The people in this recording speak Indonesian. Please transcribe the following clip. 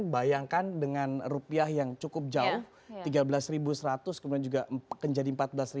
bayangkan dengan rupiah yang cukup jauh tiga belas seratus kemudian juga menjadi empat belas lima ratus